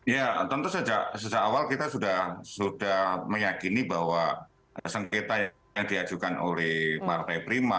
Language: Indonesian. ya tentu sejak awal kita sudah meyakini bahwa sengketa yang diajukan oleh partai prima